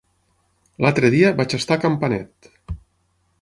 L'altre dia vaig estar a Campanet.